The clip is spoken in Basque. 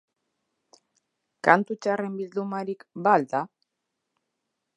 Kantu txarren bildumarik ba al da?